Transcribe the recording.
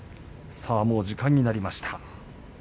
もう時間になりました。